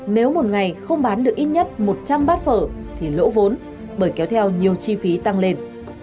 nếu một ngày không bán được ít nhất một trăm linh bát phở thì lỗ vốn bởi kéo theo nhiều chi phí tăng lên